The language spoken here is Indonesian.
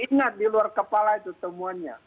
ingat di luar kepala itu temuannya